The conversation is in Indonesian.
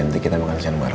nanti kita makan siang baru